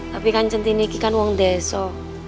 tapi kan cintinny ini kan orang desa